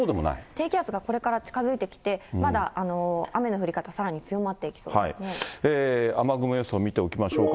低気圧がこれから近づいてきて、まだ雨の降り方、さらに強ま雨雲予想見ておきましょうか。